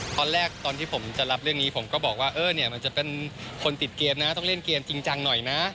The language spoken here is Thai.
ตอนที่ผมจะรับเรื่องนี้ผมก็บอกว่าเออเนี่ยมันจะเป็นคนติดเกมนะต้องเล่นเกมจริงจังหน่อยนะ